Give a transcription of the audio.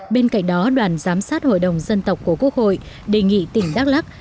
bên cạnh đó đoàn giám sát hội đồng dân tộc của quốc hội đề nghị tỉnh đắk lắc